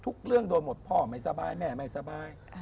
เรื่องโดนหมดพ่อไม่สบายแม่ไม่สบาย